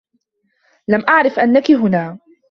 لم أعرف أنّكِ هنا.